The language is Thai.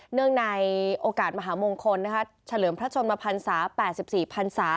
เนื่องในโอกาสมหามงคลเฉลิมพระชนมพันศา๘๔พันศา